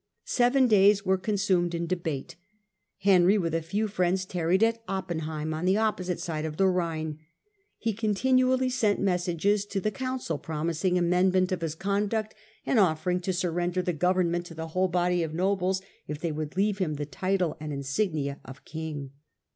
Seven days were consumed in debate. Henry, with a few friends, tarried at Oppenheim, on the opposite side of the Rhine. He continually sent messages to the council, promising amendment of his conduct, and offering to surrender the goveniment to the whole body of nobles, if they would leave him the title and insignia king.